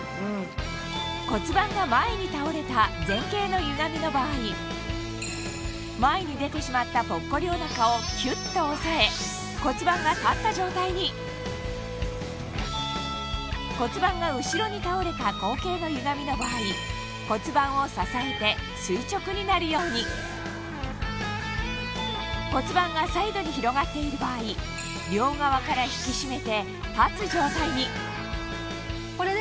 骨盤が前に倒れたの場合前に出てしまったぽっこりおなかをキュっと抑え骨盤が立った状態に骨盤が後ろに倒れたの場合骨盤を支えて垂直になるように骨盤がサイドに広がっている場合両側から引き締めて立つ状態にこれで。